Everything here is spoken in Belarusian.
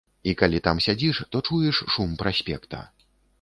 І калі там сядзіш, то чуеш шум праспекта.